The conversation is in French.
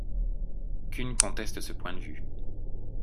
Kuhn conteste ce point de vue.